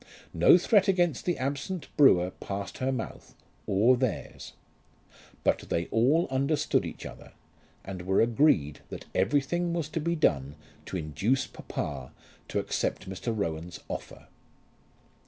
No threat against the absent brewer passed her mouth, or theirs. But they all understood each other, and were agreed that everything was to be done to induce papa to accept Mr. Rowan's offer.